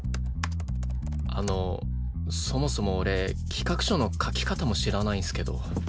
あのそもそも俺企画書の書き方も知らないんすけど。